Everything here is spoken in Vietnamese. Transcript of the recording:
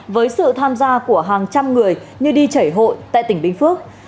với sự tham gia của hàng trăm người như đi chảy hội tại tỉnh bình phước